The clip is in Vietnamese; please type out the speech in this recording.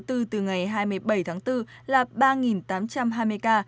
từ ngày hai mươi bảy tháng bốn là ba tám trăm hai mươi ca